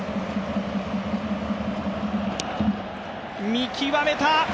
見極めた！